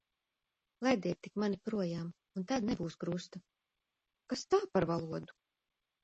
Laidiet tik mani projām, un tad nebūs krusta. Kas tā par valodu!